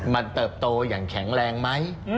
มันเติบโตอย่างแข็งแรงไหม